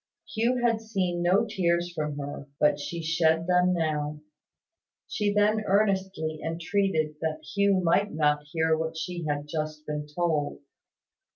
Hugh had seen no tears from her; but she shed them now. She then earnestly entreated that Hugh might not hear what she had just been told.